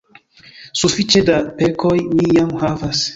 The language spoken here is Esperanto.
sufiĉe da pekoj mi jam havas.